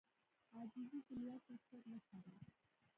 عاجزي د لوړ شخصیت نښه ده.